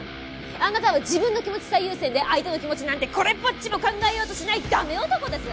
あなたは自分の気持ち最優先で相手の気持ちなんてこれっぽっちも考えようとしないダメ男です！